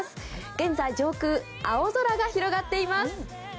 現在上空青空が広がっています。